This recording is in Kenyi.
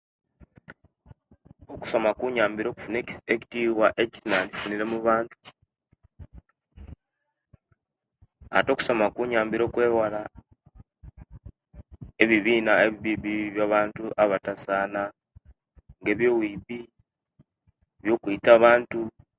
Okusoma kunyamibire okufuna eki ekitiwa ekye nandifunire mubantu, ate okusoma kunyambire okwewala, ebibina ebibbibbi ebya abantu abatasana, ebyobwibbi, ebyokwita abantu.